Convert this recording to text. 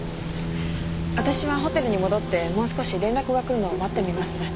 私はホテルに戻ってもう少し連絡が来るのを待ってみます。